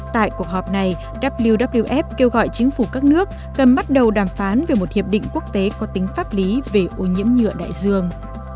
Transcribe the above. tại cuộc họp này wwf kêu gọi chính phủ các nước cần bắt đầu đàm phán về một hiệp định quốc tế có tính pháp lý về ô nhiễm nhựa đại dương